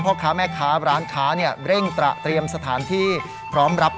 พ่อค้าแม่ค้าร้านค้าเร่งตระเตรียมสถานที่พร้อมรับ